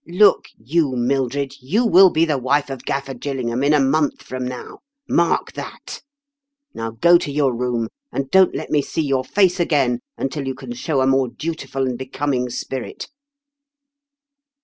Look you, Mildred, you will be the wife of Gaffer Gillingham in a month from now. Mark that ! Now go to your room, and don't let me see your face again until you can show a more dutiful and becoming spirit."